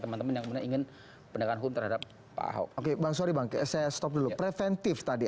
teman teman yang ingin pendekatan hukum terhadap pak ahok oke bang sorry bang saya stop dulu preventif tadi